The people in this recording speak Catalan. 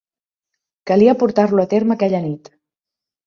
Calia portar-lo a terme aquella nit